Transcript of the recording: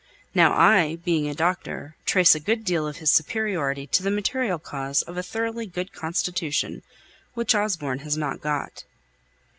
Now I, being a doctor, trace a good deal of his superiority to the material cause of a thoroughly good constitution, which Osborne hasn't got."